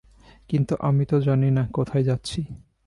কিন্তু আমি তো জানি না কোথায় যাচ্ছি।